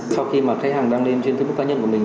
sau khi mà khách hàng đăng lên trên facebook cá nhân của mình